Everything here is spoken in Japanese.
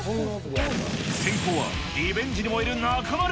先攻はリベンジに燃える中丸。